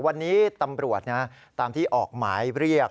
วันนี้ตำรวจตามที่ออกหมายเรียก